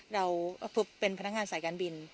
เราพบเป็นพนักงานสายการบิน